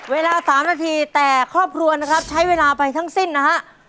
เวลา๓นาทีแต่ครอบครัวนะครับใช้เวลาไปทั้งสิ้นนะฮะ